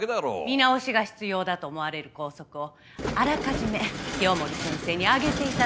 見直しが必要だと思われる校則をあらかじめ清守先生に挙げて頂きました。